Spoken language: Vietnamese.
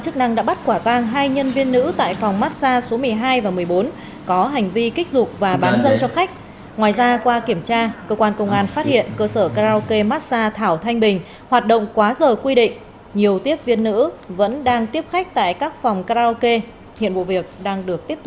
các bạn hãy đăng kí cho kênh lalaschool để không bỏ lỡ những video hấp dẫn